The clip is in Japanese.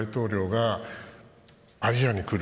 アジアに来る。